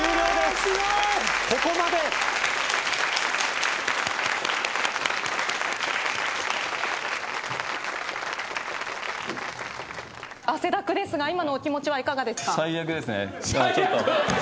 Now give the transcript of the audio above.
すごいここまで汗だくですが今のお気持ちはいかがですか？